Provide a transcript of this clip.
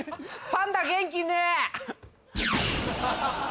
パンダ元気ねえ